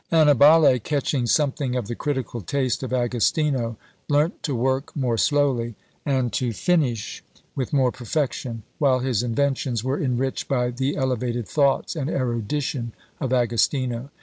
Annibale catching something of the critical taste of Agostino, learnt to work more slowly, and to finish with more perfection, while his inventions were enriched by the elevated thoughts and erudition of Agostino.